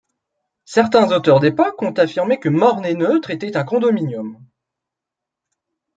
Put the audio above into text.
Certains auteurs d'époque ont affirmé que Moresnet neutre était un condominium.